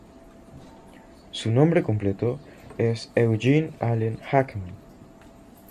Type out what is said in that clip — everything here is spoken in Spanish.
Su nombre completo es Eugene Allen Hackman.